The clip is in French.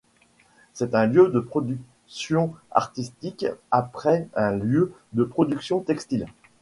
C’est un lieu de production artistique après un lieu de production textile.